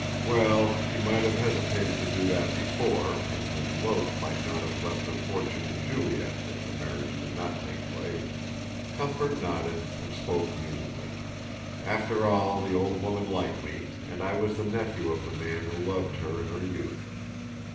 "Well, she might have hesitated to do that before, as Miss Loach might not have left her fortune to Juliet if the marriage did not take place." Cuthbert nodded and spoke musingly: "After all, the old woman liked me, and I was the nephew of the man who loved her in her youth.